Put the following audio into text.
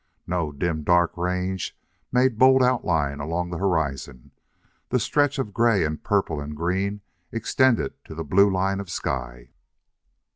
No dim, dark range made bold outline along the horizon; the stretch of gray and purple and green extended to the blue line of sky.